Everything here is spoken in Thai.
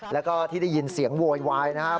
แล้วก็ที่ได้ยินเสียงโวยวายนะครับ